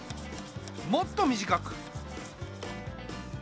もっと短く。